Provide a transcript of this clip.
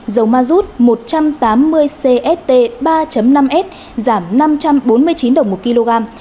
dầu mazut một trăm tám mươi cst ba năm s giảm năm trăm bốn mươi chín đồng một kg